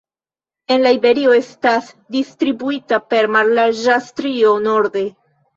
En la Iberio estas distribuita per mallarĝa strio norde.